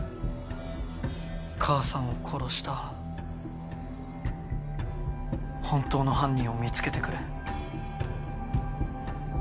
母さんを殺した本当の犯人を見つけてくれ。